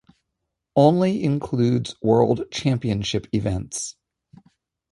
Only includes World Championship events.